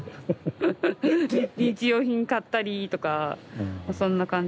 日用品買ったりとかそんな感じで。